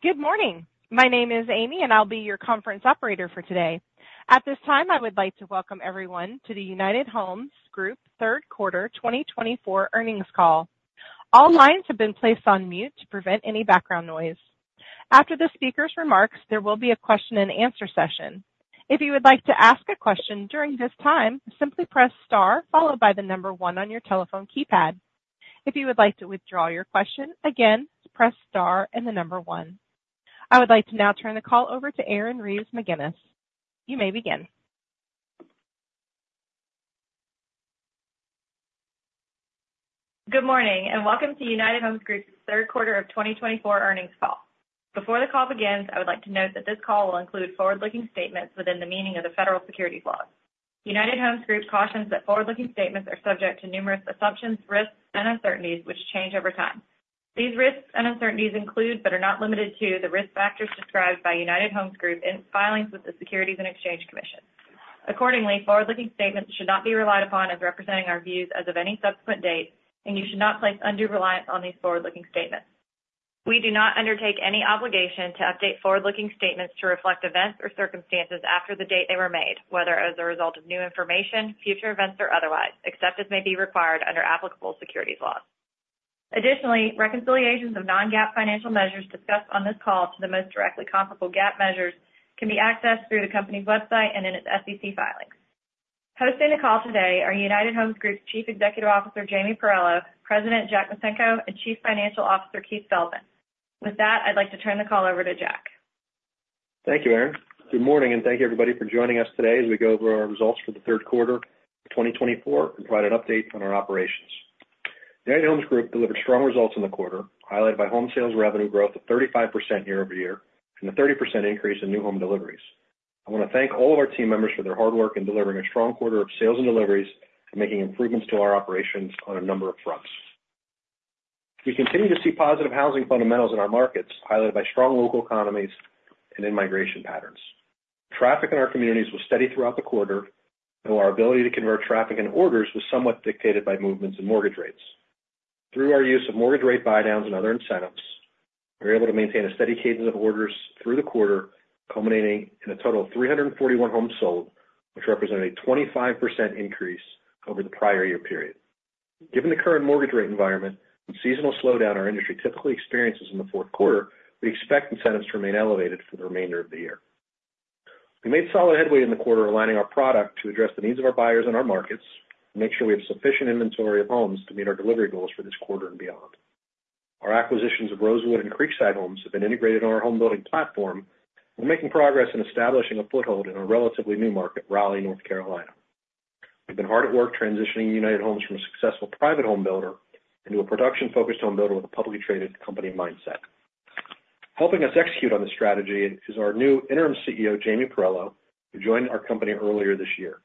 Good morning. My name is Amy, and I'll be your conference operator for today. At this time, I would like to welcome everyone to the United Homes Group Third Quarter 2024 earnings call. All lines have been placed on mute to prevent any background noise. After the speaker's remarks, there will be a question-and-answer session. If you would like to ask a question during this time, simply press star followed by the number one on your telephone keypad. If you would like to withdraw your question again, press star and the number one. I would like to now turn the call over to Erin Reeves McGinnis. You may begin. Good morning and welcome to United Homes Group's Third Quarter of 2024 earnings call. Before the call begins, I would like to note that this call will include forward-looking statements within the meaning of the federal securities laws. United Homes Group cautions that forward-looking statements are subject to numerous assumptions, risks, and uncertainties which change over time. These risks and uncertainties include, but are not limited to, the risk factors described by United Homes Group in its filings with the Securities and Exchange Commission. Accordingly, forward-looking statements should not be relied upon as representing our views as of any subsequent date, and you should not place undue reliance on these forward-looking statements. We do not undertake any obligation to update forward-looking statements to reflect events or circumstances after the date they were made, whether as a result of new information, future events, or otherwise, except as may be required under applicable securities laws. Additionally, reconciliations of non-GAAP financial measures discussed on this call to the most directly comparable GAAP measures can be accessed through the company's website and in its SEC filings. Hosting the call today are United Homes Group's Chief Executive Officer Jamie Pirrello, President Jack Micenko, and Chief Financial Officer Keith Feldman. With that, I'd like to turn the call over to Jack. Thank you, Erin. Good morning and thank you, everybody, for joining us today as we go over our results for the third quarter of 2024 and provide an update on our operations. United Homes Group delivered strong results in the quarter, highlighted by home sales revenue growth of 35% year over year and a 30% increase in new home deliveries. I want to thank all of our team members for their hard work in delivering a strong quarter of sales and deliveries and making improvements to our operations on a number of fronts. We continue to see positive housing fundamentals in our markets, highlighted by strong local economies and in-migration patterns. Traffic in our communities was steady throughout the quarter, though our ability to convert traffic and orders was somewhat dictated by movements in mortgage rates. Through our use of mortgage rate buy-downs and other incentives, we were able to maintain a steady cadence of orders through the quarter, culminating in a total of 341 homes sold, which represented a 25% increase over the prior year period. Given the current mortgage rate environment and seasonal slowdown, our industry typically experiences in the fourth quarter, we expect incentives to remain elevated for the remainder of the year. We made solid headway in the quarter, aligning our product to address the needs of our buyers and our markets and make sure we have sufficient inventory of homes to meet our delivery goals for this quarter and beyond. Our acquisitions of Rosewood and Creekside Homes have been integrated in our home building platform and are making progress in establishing a foothold in our relatively new market, Raleigh, North Carolina. We've been hard at work transitioning United Homes from a successful private home builder into a production-focused home builder with a publicly traded company mindset. Helping us execute on this strategy is our new interim CEO, Jamie Pirrello, who joined our company earlier this year.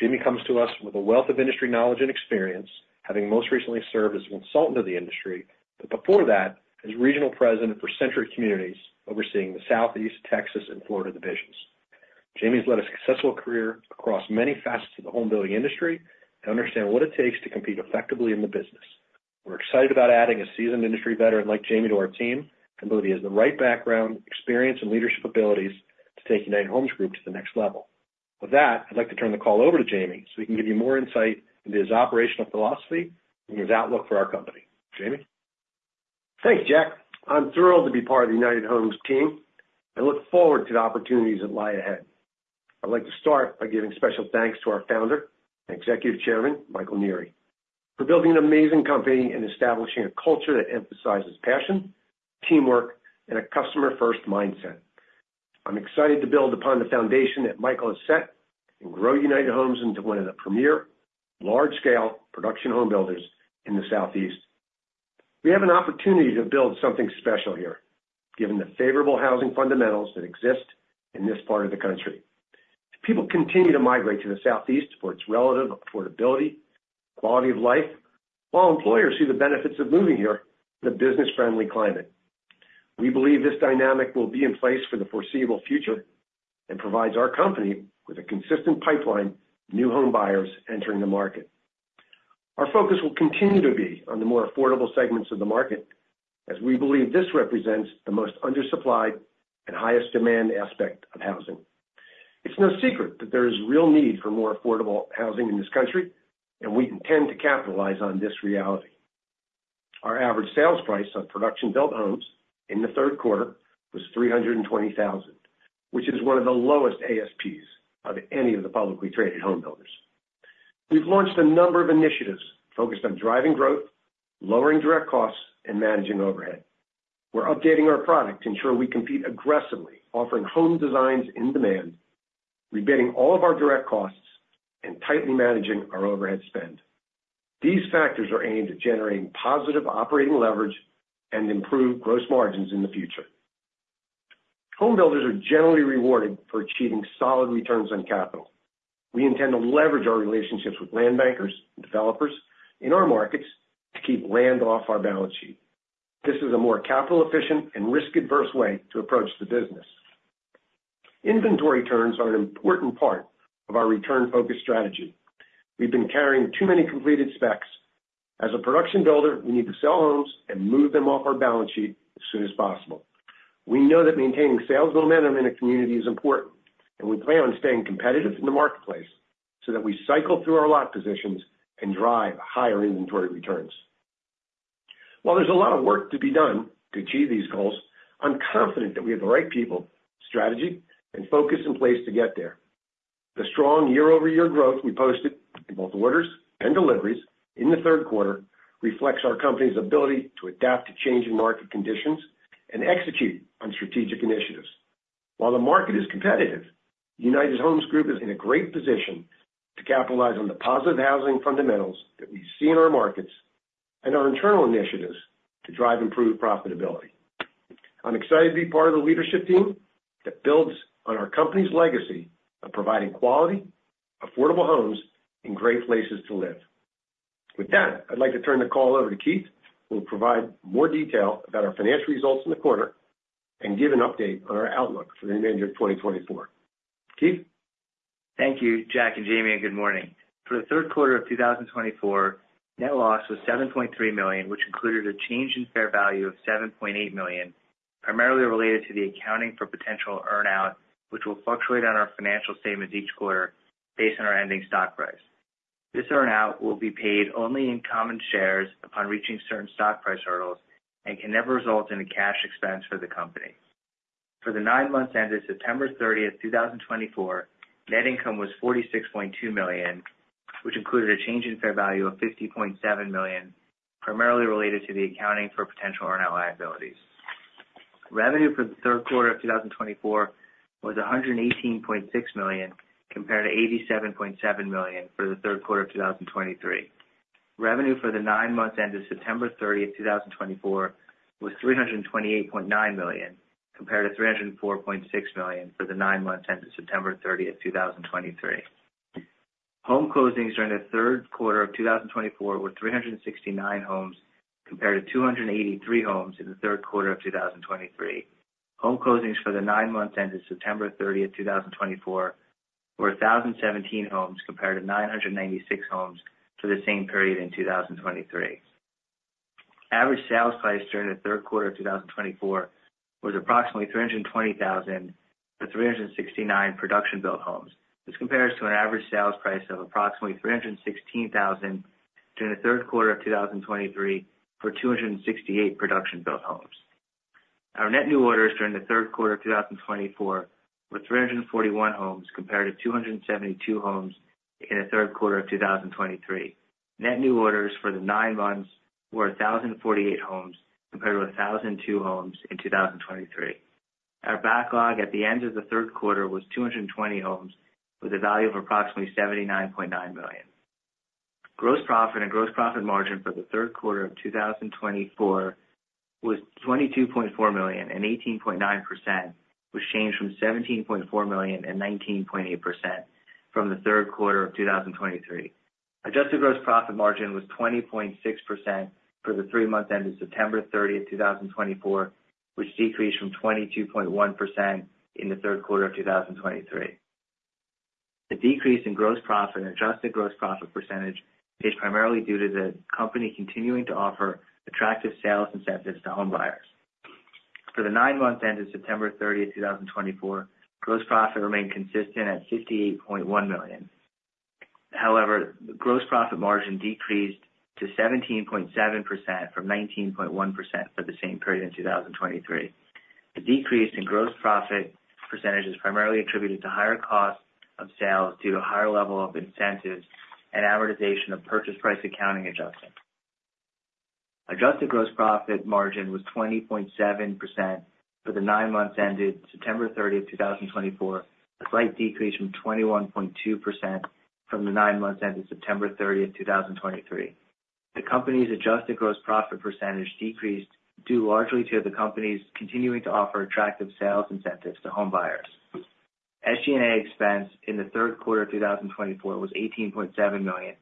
Jamie comes to us with a wealth of industry knowledge and experience, having most recently served as a consultant of the industry, but before that, as regional president for Century Communities, overseeing the Southeast, Texas, and Florida divisions. Jamie's led a successful career across many facets of the home building industry and understands what it takes to compete effectively in the business. We're excited about adding a seasoned industry veteran like Jamie to our team and believe he has the right background, experience, and leadership abilities to take United Homes Group to the next level. With that, I'd like to turn the call over to Jamie so he can give you more insight into his operational philosophy and his outlook for our company. Jamie? Thanks, Jack. I'm thrilled to be part of the United Homes team. I look forward to the opportunities that lie ahead. I'd like to start by giving special thanks to our founder and Executive Chairman, Michael Nieari, for building an amazing company and establishing a culture that emphasizes passion, teamwork, and a customer-first mindset. I'm excited to build upon the foundation that Michael has set and grow United Homes into one of the premier, large-scale production home builders in the Southeast. We have an opportunity to build something special here, given the favorable housing fundamentals that exist in this part of the country. People continue to migrate to the Southeast for its relative affordability, quality of life, while employers see the benefits of moving here in a business-friendly climate. We believe this dynamic will be in place for the foreseeable future and provides our company with a consistent pipeline of new home buyers entering the market. Our focus will continue to be on the more affordable segments of the market, as we believe this represents the most undersupplied and highest demand aspect of housing. It's no secret that there is real need for more affordable housing in this country, and we intend to capitalize on this reality. Our average sales price of production-built homes in the third quarter was $320,000, which is one of the lowest ASPs of any of the publicly traded home builders. We've launched a number of initiatives focused on driving growth, lowering direct costs, and managing overhead. We're updating our product to ensure we compete aggressively, offering home designs in demand, rebidding all of our direct costs, and tightly managing our overhead spend. These factors are aimed at generating positive operating leverage and improved gross margins in the future. Home builders are generally rewarded for achieving solid returns on capital. We intend to leverage our relationships with land bankers and developers in our markets to keep land off our balance sheet. This is a more capital-efficient and risk-averse way to approach the business. Inventory turns are an important part of our return-focused strategy. We've been carrying too many completed specs. As a production builder, we need to sell homes and move them off our balance sheet as soon as possible. We know that maintaining sales momentum in a community is important, and we plan on staying competitive in the marketplace so that we cycle through our lot positions and drive higher inventory returns. While there's a lot of work to be done to achieve these goals, I'm confident that we have the right people, strategy, and focus in place to get there. The strong year-over-year growth we posted in both orders and deliveries in the third quarter reflects our company's ability to adapt to changing market conditions and execute on strategic initiatives. While the market is competitive, United Homes Group is in a great position to capitalize on the positive housing fundamentals that we see in our markets and our internal initiatives to drive improved profitability. I'm excited to be part of the leadership team that builds on our company's legacy of providing quality, affordable homes, and great places to live. With that, I'd like to turn the call over to Keith, who will provide more detail about our financial results in the quarter and give an update on our outlook for the remainder of 2024. Keith? Thank you, Jack and Jamie. Good morning. For the third quarter of 2024, net loss was $7.3 million, which included a change in fair value of $7.8 million, primarily related to the accounting for potential earn-out, which will fluctuate on our financial statements each quarter based on our ending stock price. This earn-out will be paid only in common shares upon reaching certain stock price hurdles and can never result in a cash expense for the company. For the nine months ended September 30, 2024, net income was $46.2 million, which included a change in fair value of $50.7 million, primarily related to the accounting for potential earn-out liabilities. Revenue for the third quarter of 2024 was $118.6 million compared to $87.7 million for the third quarter of 2023. Revenue for the nine months ended September 30, 2024, was $328.9 million compared to $304.6 million for the nine months ended September 30, 2023. Home closings during the third quarter of 2024 were 369 homes compared to 283 homes in the third quarter of 2023. Home closings for the nine months ended September 30, 2024, were 1,017 homes compared to 996 homes for the same period in 2023. Average sales price during the third quarter of 2024 was approximately $320,000 for 369 production-built homes. This compares to an average sales price of approximately $316,000 during the third quarter of 2023 for 268 production-built homes. Our net new orders during the third quarter of 2024 were 341 homes compared to 272 homes in the third quarter of 2023. Net new orders for the nine months were 1,048 homes compared to 1,002 homes in 2023. Our backlog at the end of the third quarter was 220 homes with a value of approximately $79.9 million. Gross profit and gross profit margin for the third quarter of 2024 was $22.4 million, and 18.9% was changed from $17.4 million and 19.8% from the third quarter of 2023. Adjusted gross profit margin was 20.6% for the three months ended September 30, 2024, which decreased from 22.1% in the third quarter of 2023. The decrease in gross profit and adjusted gross profit percentage is primarily due to the company continuing to offer attractive sales incentives to home buyers. For the nine months ended September 30, 2024, gross profit remained consistent at $58.1 million. However, the gross profit margin decreased to 17.7% from 19.1% for the same period in 2023. The decrease in gross profit percentage is primarily attributed to higher costs of sales due to a higher level of incentives and amortization of purchase price accounting adjustment. Adjusted gross profit margin was 20.7% for the nine months ended September 30, 2024, a slight decrease from 21.2% from the nine months ended September 30, 2023. The company's adjusted gross profit percentage decreased due largely to the company's continuing to offer attractive sales incentives to home buyers. SG&A expense in the third quarter of 2024 was $18.7 million.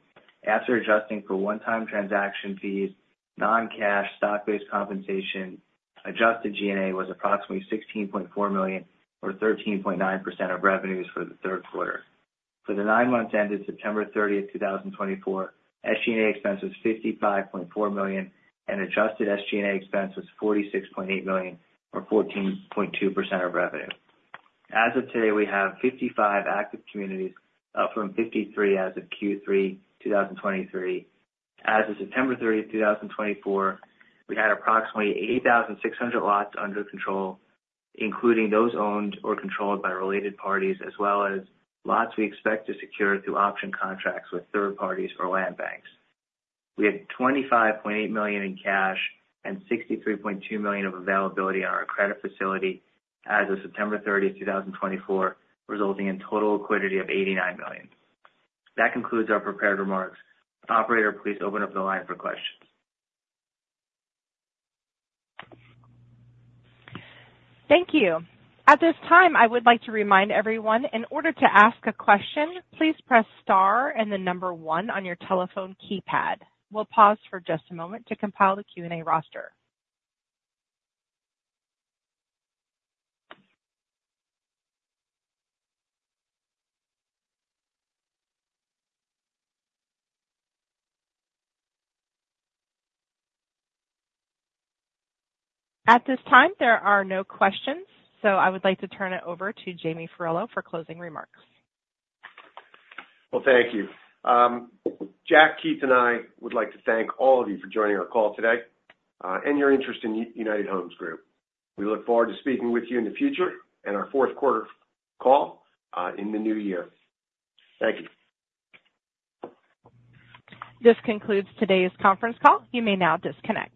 After adjusting for one-time transaction fees, non-cash stock-based compensation, adjusted SG&A was approximately $16.4 million, or 13.9% of revenues for the third quarter. For the nine months ended September 30, 2024, SG&A expense was $55.4 million, and adjusted SG&A expense was $46.8 million, or 14.2% of revenue. As of today, we have 55 active communities, up from 53 as of Q3 2023. As of September 30, 2024, we had approximately 8,600 lots under control, including those owned or controlled by related parties, as well as lots we expect to secure through option contracts with third parties or land bankers. We had $25.8 million in cash and $63.2 million of availability on our credit facility as of September 30, 2024, resulting in total liquidity of $89 million. That concludes our prepared remarks. Operator, please open up the line for questions. Thank you. At this time, I would like to remind everyone, in order to ask a question, please press star and the number one on your telephone keypad. We'll pause for just a moment to compile the Q&A roster. At this time, there are no questions, so I would like to turn it over to Jamie Pirrello for closing remarks. Thank you. Jack, Keith, and I would like to thank all of you for joining our call today and your interest in United Homes Group. We look forward to speaking with you in the future and our fourth quarter call in the new year. Thank you. This concludes today's conference call. You may now disconnect.